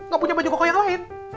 gak punya baju koko yang lain